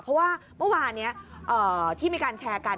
เพราะว่าเมื่อวานนี้ที่มีการแชร์กัน